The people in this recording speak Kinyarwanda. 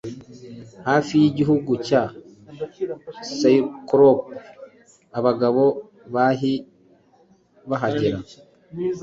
hafi y'igihugu cya CyclopeAbagabo bahie bahagera